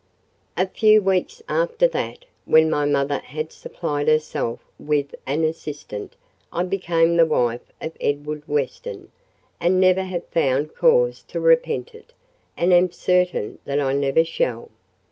A few weeks after that, when my mother had supplied herself with an assistant, I became the wife of Edward Weston; and never have found cause to repent it, and am certain that I never shall.